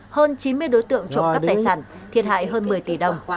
hơn chín mươi đối tượng trộm cắp tài sản thiệt hại hơn một mươi tỷ đồng